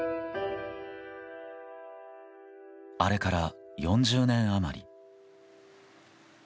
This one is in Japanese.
あれから４０年余り。